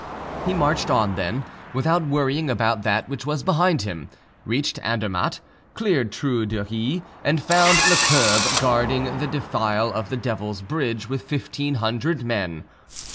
He marched on, then, without worrying about that which was behind him, reached Andermatt, cleared Trou d'Ury, and found Lecourbe guarding the defile of the Devil's Bridge with fifteen hundred men.